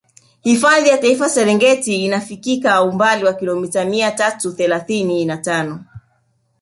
Hifadhi ya Taifa ya Serengeti inafikika umbali wa kilomita mia tatu thelasini na tano